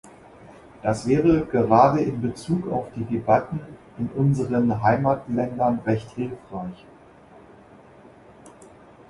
Das wäre gerade in Bezug auf die Debatten in unseren Heimatländern recht hilfreich.